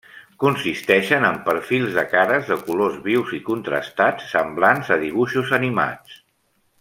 Consisteixen en perfils de cares de colors vius i contrastats, semblants a dibuixos animats.